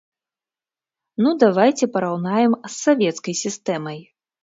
Ну, давайце параўнаем з савецкай сістэмай.